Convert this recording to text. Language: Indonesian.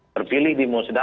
terpilih di musda